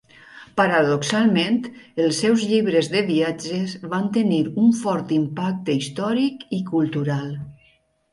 Paradoxalment, els seus llibres de viatges van tenir un fort impacte històric i cultural.